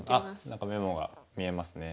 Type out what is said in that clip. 何かメモが見えますね。